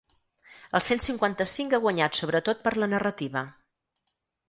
El cent cinquanta-cinc ha guanyat sobretot per la narrativa.